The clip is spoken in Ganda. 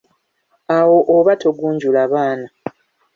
Awo oba togunjula baana.